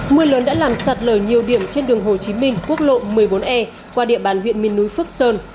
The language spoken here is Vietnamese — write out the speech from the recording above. mưa lớn đã làm sạt lở nhiều điểm trên đường hồ chí minh quốc lộ một mươi bốn e qua địa bàn huyện miền núi phước sơn